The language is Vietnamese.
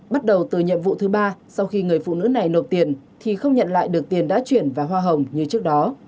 bắt đầu từ nhiệm vụ thứ ba sau khi người phụ nữ này nộp tiền thì không nhận lại được tiền đã chuyển vào hoa hồng như trước đó